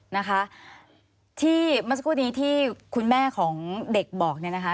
นะคะที่เมื่อสักครู่นี้ที่คุณแม่ของเด็กบอกเนี่ยนะคะ